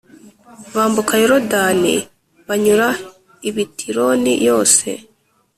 bambuka Yorodani banyura i Bitironi yose